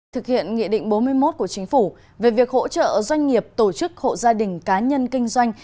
thực hiện nghị định bốn mươi một của chính phủ về việc hỗ trợ doanh nghiệp tổ chức hộ gia đình cá nhân kinh doanh